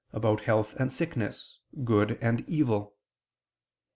about health and sickness, good and evil.